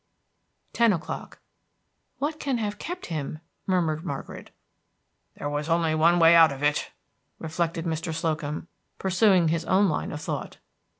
Ten o'clock. "What can have kept him?" murmured Margaret. "There was only that way out of it," reflected Mr. Slocum, pursuing his own line of thought.